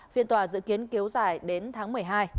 phiên tòa dự kiến kéo dài đến tháng một mươi hai